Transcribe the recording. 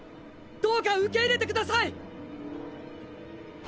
どうか受け入れてください！